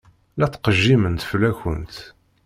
La ttqejjiment fell-akent.